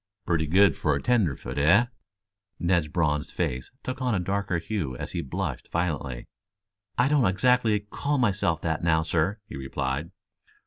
"Pretty good for a tenderfoot, eh?" Ned's bronzed face took on a darker hue as he blushed violently. "I don't exactly call myself that now, sir," he replied.